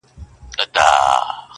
جانه راځه د بدن وينه مو په مينه پرېولو.